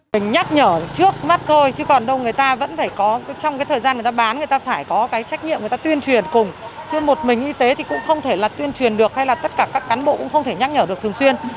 lực lượng y tế thì cũng không thể là tuyên truyền được hay là tất cả các cán bộ cũng không thể nhắc nhở được thường xuyên